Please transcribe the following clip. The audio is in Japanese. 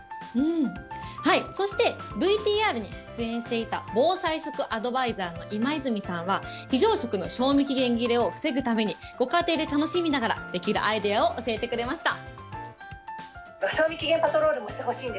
そしてＶＴＲに出演していた、防災食アドバイザーの今泉さんは、非常食の賞味期限切れを防ぐために、ご家庭で楽しみながらできるアイデアを教えてくれました。